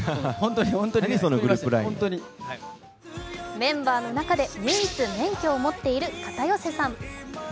メンバーの中で唯一免許を持っている片寄さん。